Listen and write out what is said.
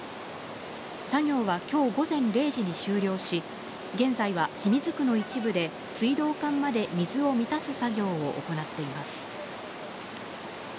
作業はきょう午前０時に終了し、現在は清水区の一部で水道管まで水を満たす作業を行っています。